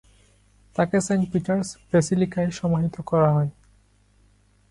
তাকে Saint Peter's ব্যাসিলিকায় সমাহিত করা হয়।